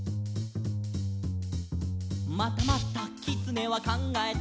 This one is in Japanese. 「またまたきつねはかんがえた」